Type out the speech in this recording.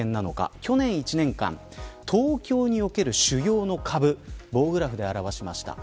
去年一年間東京における主要の株棒グラフで表しました。